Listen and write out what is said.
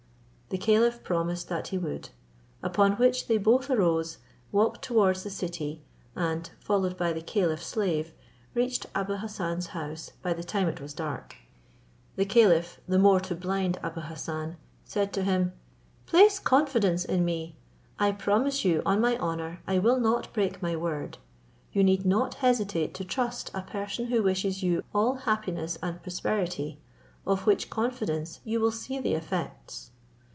The caliph promised that he would; upon which they both arose, walked towards the city, and, followed by the caliph's slave, reached Abou Hassan's house by the time it was dark. The caliph, the more to blind Abou Hassan, said to him, "Place confidence in me; I promise you on my honour I will not break my word. You need not hesitate to trust a person who wishes you all happiness and prosperity, of which confidence you will see the effects."